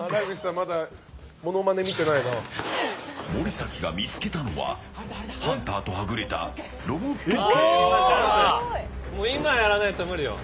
森崎が見つけたのはハンターとはぐれたロボット犬。